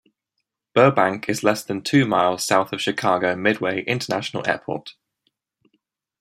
Burbank is less than two miles south of Chicago Midway International Airport.